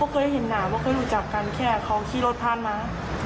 คือไว้รุ่นแกล้งที่อยู่ในงาน